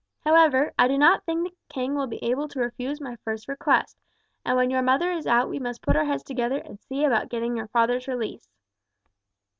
However, I do not think the king will be able to refuse my first request, and when your mother is out we must put our heads together and see about getting your father's release."